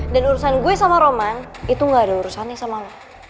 dan urusan gue sama roman itu gak ada urusannya sama lo